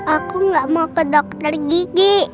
aku nggak mau ke dokter gigi